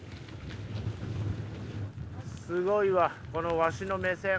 すごいわこのわしの目線。